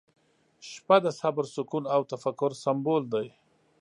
• شپه د صبر، سکون، او تفکر سمبول دی.